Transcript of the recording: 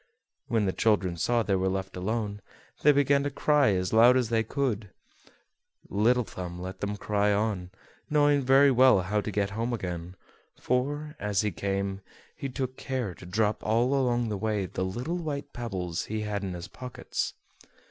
When the children saw they were left alone, they began to cry as loud as they could. Little Thumb let them cry on, knowing very well how to get home again, for, as he came, he took care to drop all along the way the little white pebbles he had in his pockets.